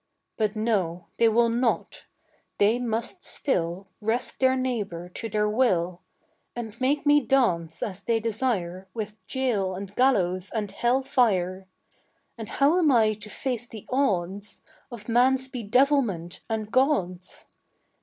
But no, they will not; they must still Wrest their neighbour to their will, And make me dance as they desire With jail and gallows and hell fire. And how am I to face the odds Of man's bedevilment and God's?